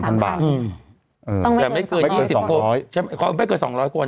แต่ไม่เกิน๒๐๐กว่า